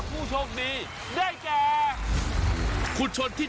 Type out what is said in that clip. พระภาพตอนนี้